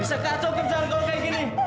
bisa kacau kerjaan kalau kayak gini